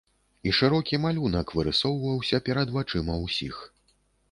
І шырокі малюнак вырысоўваўся перад вачыма ўсіх.